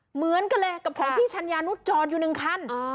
เหมือนกันประมาณพี่ชัญญานุปิดจอนอยู่หนึ่งคัน